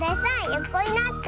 よこになって。